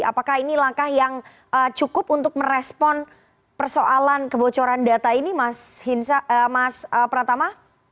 apakah ini langkah yang cukup untuk merespon persoalan kebocoran data ini mas pratama